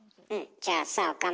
じゃあさ岡村。